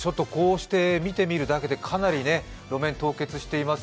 こうして見てみるだけで、かなり路面凍結しています。